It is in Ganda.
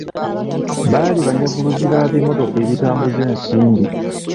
Baali banyaguluzi ba bimotoka ebitambuza ensimbi.